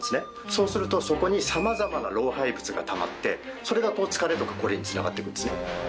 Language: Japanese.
そうするとそこに様々な老廃物がたまってそれが疲れとかコリに繋がっていくんですね。